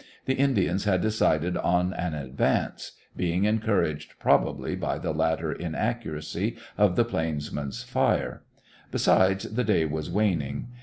The Indians had decided on an advance, being encouraged probably by the latter inaccuracy of the plainsmen's fire. Besides, the day was waning.